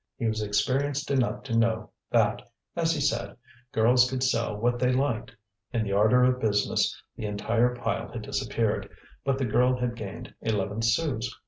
He was experienced enough to know that, as he said, girls could sell what they liked. In the ardour of business, the entire pile had disappeared; but the girl had gained eleven sous.